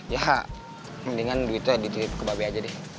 ya mendingan duitnya dititip ke mba be aja deh